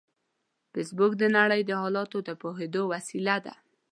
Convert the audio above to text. فېسبوک د نړۍ د حالاتو د پوهېدو وسیله ده